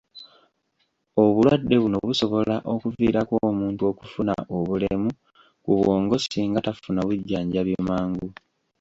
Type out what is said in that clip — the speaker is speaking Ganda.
Obulwadde buno busobola okuviirako omuntu okufuna obulemu ku bwongo singa tafuna bujjanjabi mangu.